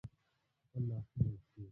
خپل لاسونه او پښې